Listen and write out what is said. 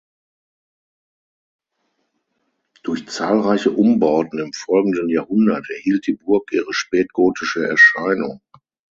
Durch zahlreiche Umbauten im folgenden Jahrhundert erhielt die Burg ihre spätgotische Erscheinung.